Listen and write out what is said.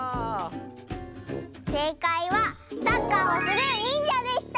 せいかいはサッカーをするにんじゃでした！